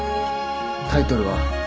タイトルは？